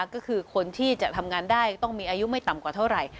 ก็คือคนที่จะทำงานได้ต้องมีอายุไม่ต่ำกว่าเท่าไหร่